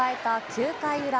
９回裏。